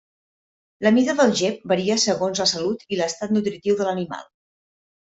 La mida del gep varia segons la salut i l'estat nutritiu de l'animal.